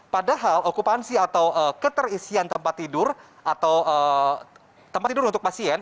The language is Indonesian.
padahal okupansi atau keterisian tempat tidur atau tempat tidur untuk pasien